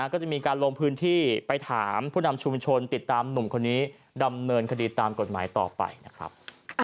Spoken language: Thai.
ก็จะมีการลงพื้นที่ไปถามผู้นำชุมชนติดตามหนุ่มคนนี้ดำเนินคดีตามกฎหมายต่อไปนะครับ